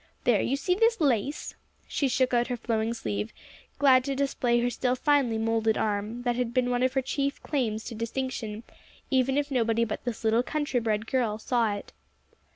There, you see this lace?" She shook out her flowing sleeve, glad to display her still finely moulded arm, that had been one of her chief claims to distinction, even if nobody but this little country bred girl saw it.